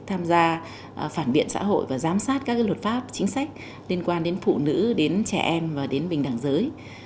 tham gia phản biện xã hội và giám sát các luật pháp chính sách liên quan đến phụ nữ đến trẻ em và đến bình đẳng giới